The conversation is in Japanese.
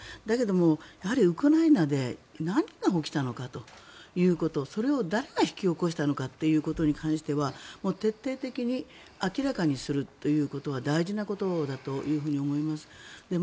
だけども、ウクライナで何が起きたのかということそれを誰が引き起こしたのかということに関しては徹底的に明らかにするということは大事なことだと思います。